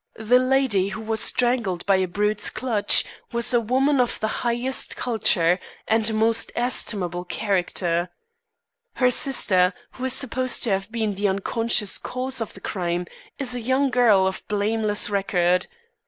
The lady who was strangled by a brute's clutch, was a woman of the highest culture and most estimable character. Her sister, who is supposed to have been the unconscious cause of the crime, is a young girl of blameless record.